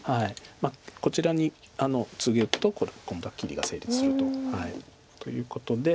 こちらにツグと今度は切りが成立すると。ということで。